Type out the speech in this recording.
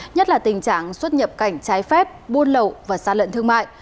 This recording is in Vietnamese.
nhất là tình trạng xuất nhập cảnh trái phép buôn lậu và gian lận thương mại